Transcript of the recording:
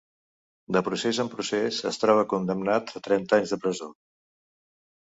De procés en procés, es troba condemnat a trenta anys de presó.